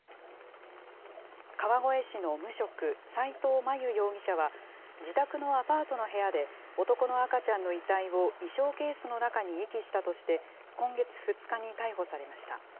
川越市の無職、齋藤真悠容疑者は、自宅のアパートの部屋で、男の赤ちゃんの遺体を衣装ケースの中に遺棄したとして、今月２日に逮捕されました。